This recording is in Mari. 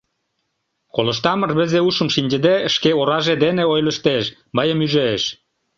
Колыштам — рвезе, ушым шинчыде, шке ораже дене ойлыштеш, мыйым ӱжеш: